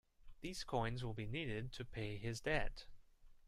These coins will be needed to pay his debt.